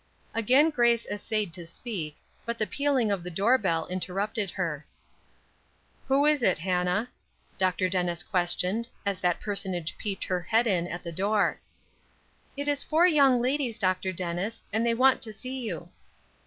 Again Grace essayed to speak, but the pealing of the door bell interrupted her. "Who is it, Hannah?" Dr. Dennis questioned, as that personage peeped her head in at the door. "It is four young ladies, Dr. Dennis, and they want to see you."